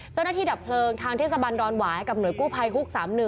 ดับเพลิงทางเทศบันดอนหวายกับหน่วยกู้ภัยฮุก๓๑